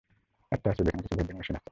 একটা আছে, সেখানে কিছু ভেন্ডিং মেশিন আছে।